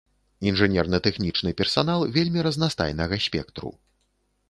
Інжынерна-тэхнічны персанал вельмі разнастайнага спектру.